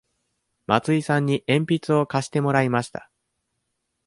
松井さんに鉛筆を貸してもらいました。